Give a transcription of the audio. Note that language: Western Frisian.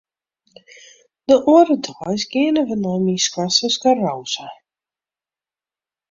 De oare deis geane wy nei myn skoansuske Rosa.